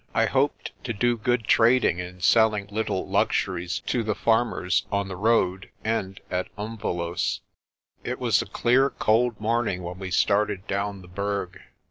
I hoped to do good trade in selling little luxuries to the farmers on the road and at Umvelos'. It was a clear cold morning when we started down the Berg.